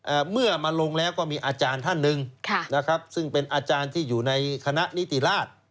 เมื่อมาลงแล้วก็มีอาจารย์ท่านหนึ่งค่ะนะครับซึ่งเป็นอาจารย์ที่อยู่ในคณะนิติราช